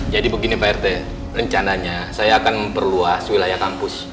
jadi begini pak rt rencananya saya akan memperluas wilayah kampus